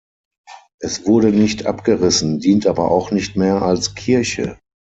Es wurde nicht abgerissen, dient aber auch nicht mehr als Kirche.